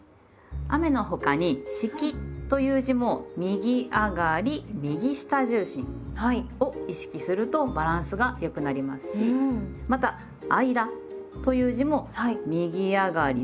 雨の他に「式」という字も「右上がり右下重心」を意識するとバランスが良くなりますしまた「間」という字も右上がり。